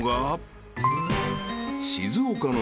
［静岡の］